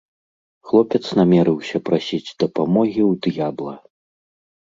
Хлопец намерыўся прасіць дапамогі ў д'ябла.